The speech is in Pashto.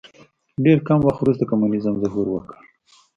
ډېر کم وخت وروسته کمونیزم ظهور وکړ.